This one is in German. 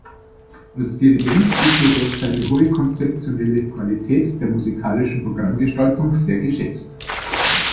Als Dirigent ist er durch seine hohe konzeptionelle Qualität der musikalischen Programmgestaltung sehr geschätzt.